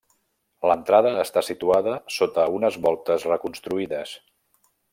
L'entrada està situada sota unes voltes reconstruïdes.